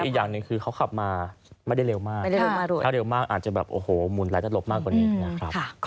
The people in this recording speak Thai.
อีกอย่างหนึ่งคือเขาขับมาไม่ได้เร็วมากถ้าเร็วมากอาจจะแบบโอ้โหหมุนหลายตลบมากกว่านี้นะครับ